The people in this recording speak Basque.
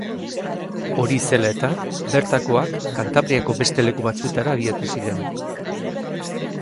Hori zela eta, bertakoak Kantabriako beste leku batzuetara abiatu ziren.